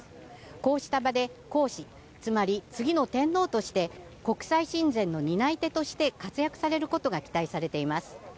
こうした場で皇嗣、次の天皇として国際親善の担い手として活躍されることが期待されています。